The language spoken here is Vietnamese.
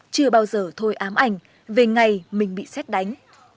chưa bao giờ thôi ám ảnh về ngày mình bị xét đánh